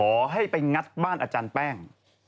ขอให้ไปงัดบ้านอาจารย์แป้ง